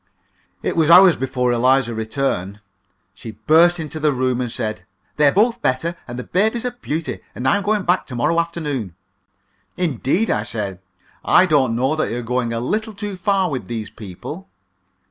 It was hours before Eliza returned. She burst into the room and said, "They're both better, and the baby's a beauty, and I'm to go back to morrow afternoon." "Indeed!" I said. "I don't know that you're not going a little too far with these people."